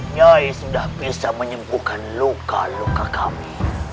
nyai sudah bisa menyembuhkan luka luka kami